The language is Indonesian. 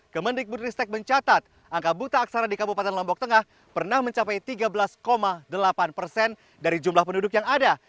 kemendikbud ristek mencatat angka buta aksara di kabupaten lombok tengah pernah mencapai tiga belas delapan persen dari jumlah penduduk yang ada